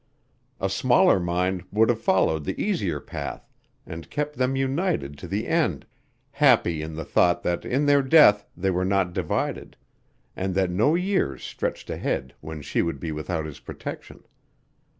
A smaller mind would have followed the easier path and kept them united to the end, happy in the thought that in their death they were not divided, and that no years stretched ahead when she would be without his protection.